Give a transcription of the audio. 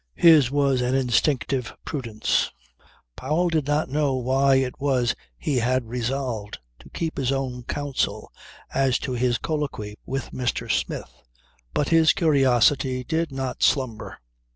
His was an instinctive prudence. Powell did not know why it was he had resolved to keep his own counsel as to his colloquy with Mr. Smith. But his curiosity did not slumber.